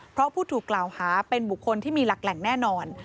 เพราะผู้ถูกกล่าวหาเป็นบุคคลที่มีหลักแหล่งแน่นอน